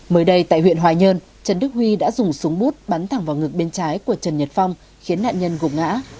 mới đây tại huyện hoài nhơn trần đức huy đã dùng súng bút bắn thẳng vào ngực bên trái của trần nhật phong khiến nạn nhân gục ngã